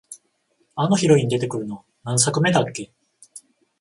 あのヒロイン出てくるの、何作目だっけ？